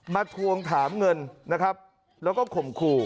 ทวงถามเงินนะครับแล้วก็ข่มขู่